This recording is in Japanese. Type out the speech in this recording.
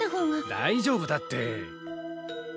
大丈夫だって！